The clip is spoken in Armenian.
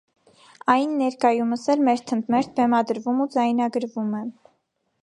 Այն ներկայումս էլ մեր ընդ մերթ բեմադրվում ու ձայնագրվում է։